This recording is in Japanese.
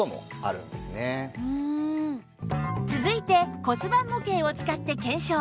続いて骨盤模型を使って検証